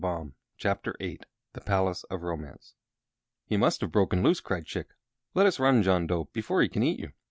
The Palace of Romance "He must have broken loose!" cried Chick. "Let us run, John Dough, before he can eat you."